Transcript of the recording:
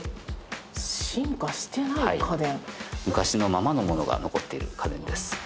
昔のままのものが残っている家電です。